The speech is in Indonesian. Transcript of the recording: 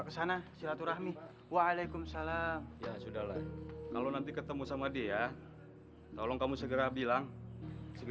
kalau misalnya mau jalan jalan atau pulang kampung